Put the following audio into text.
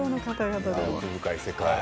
奥深い世界。